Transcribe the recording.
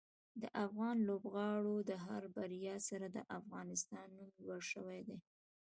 د افغان لوبغاړو د هرې بریا سره د افغانستان نوم لوړ شوی دی.